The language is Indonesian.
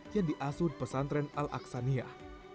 yang diasur pesantren al aqsaniyah